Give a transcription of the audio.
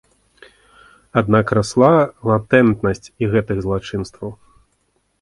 Аднак расла латэнтнасць і гэтых злачынстваў.